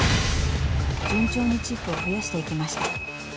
［順調にチップを増やしていきました］